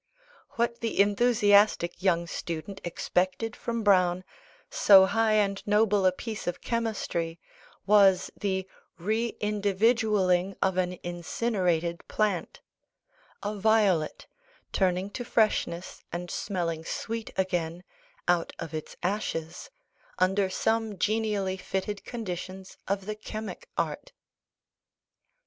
What the enthusiastic young student expected from Browne, so high and noble a piece of chemistry, was the "re individualling of an incinerated plant" a violet, turning to freshness, and smelling sweet again, out of its ashes, under some genially fitted conditions of the chemic art.